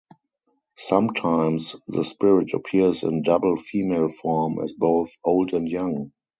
Sometimes the spirit appears in double female form as both old and young.